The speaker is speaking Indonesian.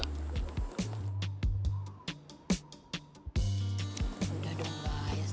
udah dong guys